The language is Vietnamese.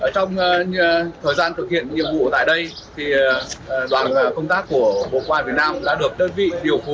trong thời gian thực hiện nhiệm vụ tại đây đoàn công tác của bộ công an việt nam đã được đơn vị điều phối